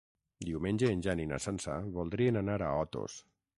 Diumenge en Jan i na Sança voldrien anar a Otos.